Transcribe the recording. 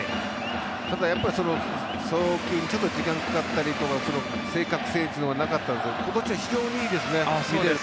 ただやっぱり、送球にちょっと時間がかかったりとか正確性というのがなかったんですが今年は非常にいいですね。